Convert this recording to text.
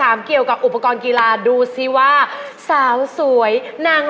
แล้วก็ลูกนี้บ้าทาง